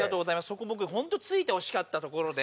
そこ僕本当突いてほしかったところで。